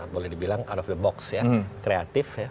boleh dibilang out of the box ya kreatif ya